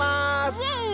イエイー！